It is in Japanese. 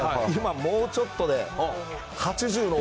今もうちょっとで、８０